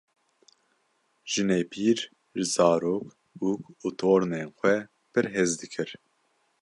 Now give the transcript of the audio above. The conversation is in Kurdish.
Jinepîr ji zarok, bûk û tornên xwe pir hez dikir.